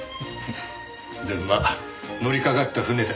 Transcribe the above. でもまあ乗りかかった船だ。